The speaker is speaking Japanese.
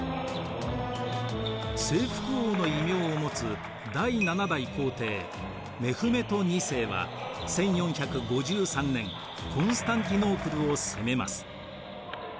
「征服王」の異名を持つ第７代皇帝メフメト２世は１４５３年コンスタンティノープルを攻めます。